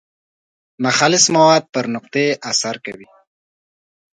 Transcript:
ناخالص مواد پر نقطې اثر کوي.